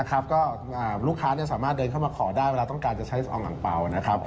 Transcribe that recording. ก็ลูกค้าสามารถเดินเข้ามาขอได้เวลาต้องการจะใช้อองอังเปล่านะครับ